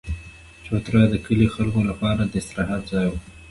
چوتره د کلي د خلکو لپاره د استراحت ځای وو.